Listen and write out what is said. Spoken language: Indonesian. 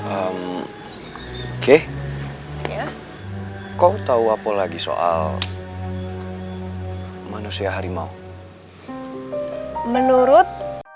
oke kau tahu apa lagi soal manusia harimau menurut